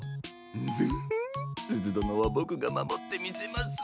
ンヅフッすずどのはボクがまもってみせます。